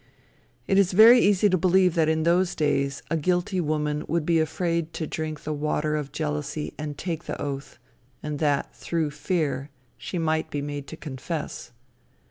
It is very easy to believe that in those days a guilty woman would be afraid to drink the water of jealousy and take the oath, and that, through fear, she might be made to confess.